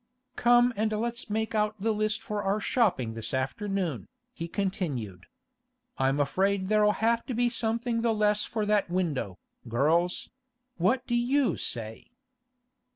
'Come and let's make out the list for our shopping this afternoon,' he continued. 'I'm afraid there'll have to be something the less for that window, girls; what do you say?